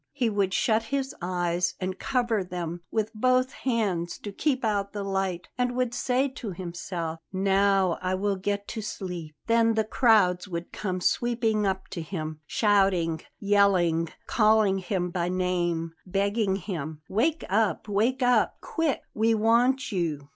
He would shut his eyes and cover them with both hands to keep out the light; and would say to himself: "Now I will get to sleep." Then the crowds would come sweeping up to him, shouting, yelling, calling him by name, begging him: "Wake up! Wake up, quick; we want you!"